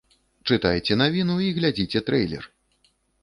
Чытайце навіну і глядзіце трэйлер!